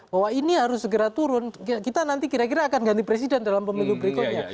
bahwa ini harus segera turun kita nanti kira kira akan ganti presiden dalam pemilu berikutnya